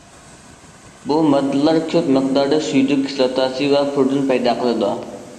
بۇ ماددىلار كۆپ مىقداردا سۈيدۈك كىسلاتاسى ۋە پۇرىن پەيدا قىلىدۇ.